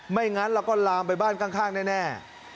งั้นเราก็ลามไปบ้านข้างแน่